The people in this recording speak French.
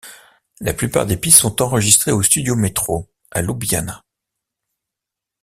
La plupart des pistes sont enregistrées au Studio Metro, à Ljubljana.